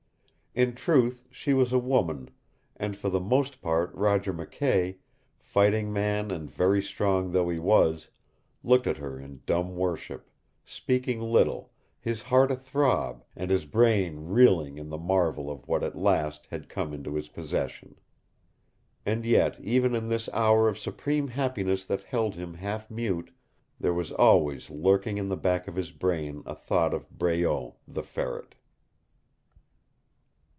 In truth she was a woman and for the most part Roger McKay fighting man and very strong though he was looked at her in dumb worship, speaking little, his heart a throb, and his brain reeling in the marvel of what at last had come into his possession. And yet, even in this hour of supreme happiness that held him half mute, there was always lurking in the back of his brain a thought of Breault, the Ferret.